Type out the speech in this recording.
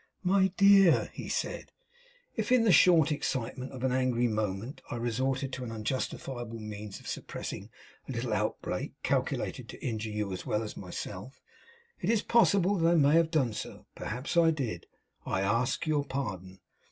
'My dear,' he said; 'if in the short excitement of an angry moment I resorted to an unjustifiable means of suppressing a little outbreak calculated to injure you as well as myself it's possible I may have done so; perhaps I did I ask your pardon.